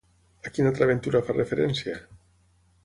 A quina altra aventura fa referència?